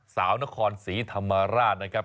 สาวนครศรีธรรมราชนะครับ